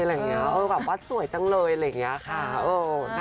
แบบว่าสวยจังเลยอะไรอย่างนี้ค่ะ